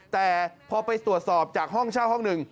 แต่พอไปตรวจสอบจากห้องเช่าห้องหนึ่ง